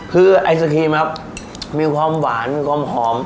คือไอศครีมครับมีความหวานความหอม